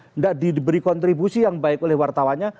tidak diberi kontribusi yang baik oleh wartawannya